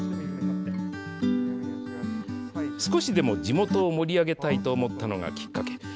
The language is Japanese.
少しでも地元を盛り上げたいと思ったのがきっかけ。